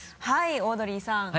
はいオードリーさん。